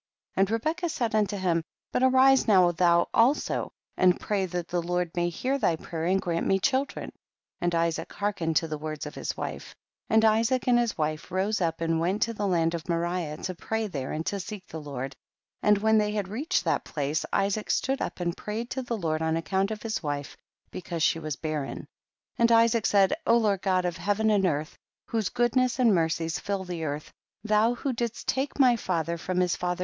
5. And Rebecca said unto him, but arise now thou also and pray, that the Lord may hear thy prayer and grant me children, and Isaac hearkened to the words of his wife, and Isaac and his wife rose up and went to the land of Moriah to pray there and to seek the Lord, and when they had reached that place Isaac stood up and prayed to the Lord on account of his wife because she was barren. 6. And Isaac said, Lord God of heaven and earth, whose good ness and mercies fill the earth, thou who didst take my father from his THE BOOK OF JASHER.